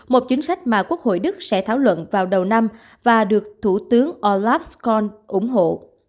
một chính sách mà quốc hội đức sẽ thảo luận vào đầu năm và được thủ tướng olaf scon ủng hộ